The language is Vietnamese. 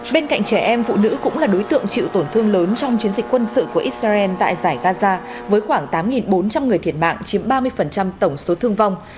bên cạnh trẻ em phụ nữ cũng là đối tượng chịu tổn thương lớn trong chiến dịch quân sự của israel tại giải gaza với khoảng tám bốn trăm linh người thiệt mạng chiếm ba mươi tổng số thương vong